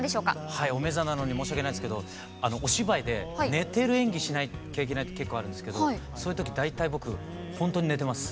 はいおめざなのに申し訳ないですけどお芝居で寝てる演技しなきゃいけない時結構あるんですけどそういう時大体僕ほんとに寝てます。